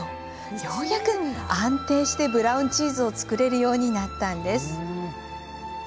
ようやく安定してブラウンチーズを作れるようになったんです。